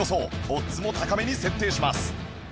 オッズも高めに設定します